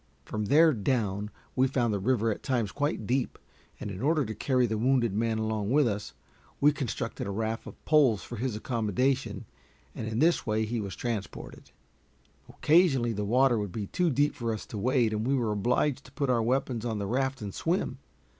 From there down we found the river at times quite deep, and in order to carry the wounded man along with us, we constructed a raft of poles for his accommodation, and in this way he was transported. Occasionally the water would be too deep for us to wade, and we were obliged to put our weapons on the raft and swim.